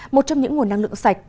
một trong những nguồn năng lượng sạch